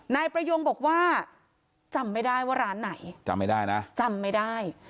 นายประยงบอกว่าจำไม่ได้ว่าร้านไหนจำไม่ได้นะจำไม่ได้